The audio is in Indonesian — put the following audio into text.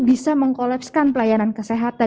bisa mengkolapskan pelayanan kesehatan